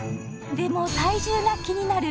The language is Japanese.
でも体重が気になる